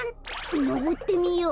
のぼってみよう。